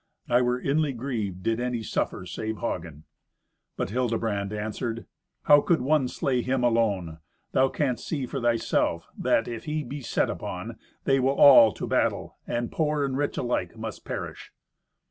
I were inly grieved did any suffer save Hagen." But Hildebrand answered, "How could one slay him alone? Thou canst see for thyself, that, if he be set upon, they will all to battle, and poor and rich alike must perish."